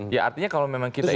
ya artinya kalau memang kita ingin